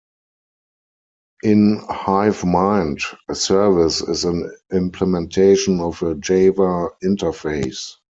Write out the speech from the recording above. In HiveMind, a service is an implementation of a Java interface.